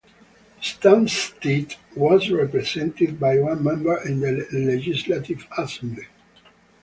Stanstead was represented by one member in the Legislative Assembly.